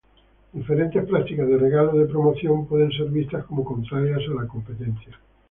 Diferentes prácticas de regalos de promoción pueden ser vistas como contrarias a la competencia.